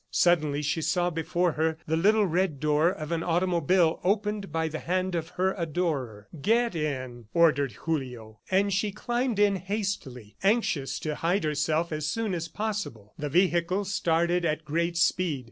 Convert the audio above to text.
Suddenly she saw before her the little red door of an automobile, opened by the hand of her adorer. "Get in," ordered Julio. And she climbed in hastily, anxious to hide herself as soon as possible. The vehicle started at great speed.